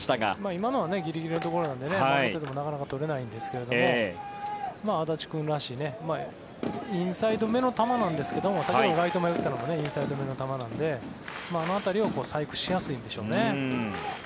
今のはギリギリのところなので守っていてもなかなかとれないんですけど安達君らしいインサイドめの球なんですけど先ほど、ライト前打ったのもインサイドめの球なのであの辺りを細工しやすいんでしょうね。